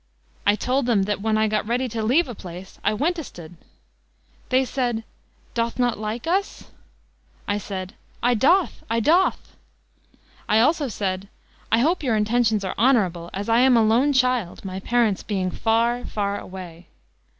"I told them that when I got ready to leave a place I wentested.' "They said, 'Doth not like us?' "I said, 'I doth I doth.' "I also said, 'I hope your intentions are honorable, as I am a lone child my parents being far far away.'